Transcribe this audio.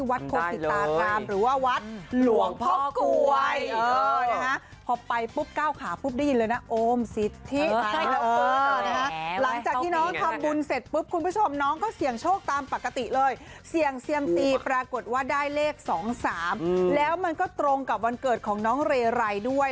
ว่าได้เลขสองสามแล้วมันก็ตรงกับวันเกิดของน้องเรไรด้วย